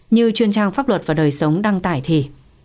như chuyên trang pháp luật và đời sống đăng tải thì